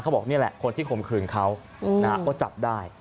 บอกนี่แหละคนที่ข่มขืนเขาก็จับได้